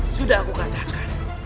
sudah aku katakan